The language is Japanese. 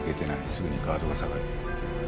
すぐにガードが下がる。